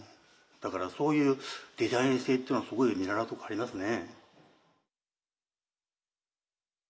だからそういうデザイン性っていうのはすごい見習うとこありますね。